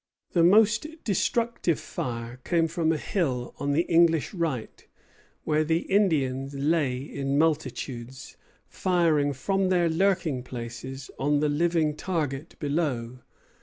The most destructive fire came from a hill on the English right, where the Indians lay in multitudes, firing from their lurking places on the living target below.